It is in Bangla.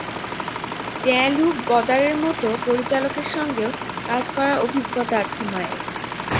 জ্যঁ লুক গদারের মতো পরিচালকের সঙ্গেও কাজ করার অভিজ্ঞতা আছে মায়ের।